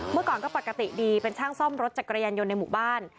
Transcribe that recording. เมื่อก่อนก็ปกติดีเป็นช่างซ่อมรถจักรยานยนต์ในหมู่บ้าน